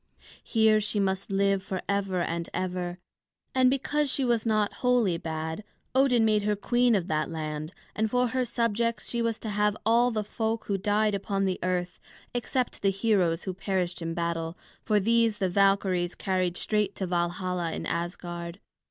Here she must live forever and ever. And, because she was not wholly bad, Odin made her queen of that land, and for her subjects she was to have all the folk who died upon the earth, except the heroes who perished in battle; for these the Valkyries carried straight to Valhalla in Asgard.